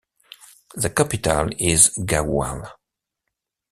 The capital is Gaoual.